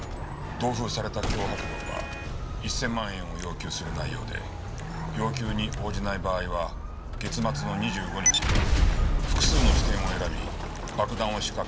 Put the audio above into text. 同封された脅迫文は１０００万円を要求する内容で要求に応じない場合は月末の２５日複数の支店を選び爆弾を仕掛けると書かれていた。